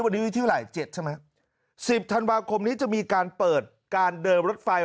วันนี้รือที่ไหน๗ใช่มั้ย๑๐ธันวาคมนี้จะมีการเปิดการเดินรถไฟ